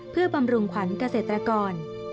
เพื่อบำรุงขวัญเกษตรกร